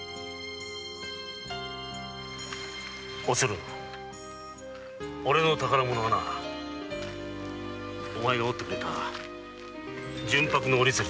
おつる俺の宝物はなお前が折ってくれた純白の折り鶴だ。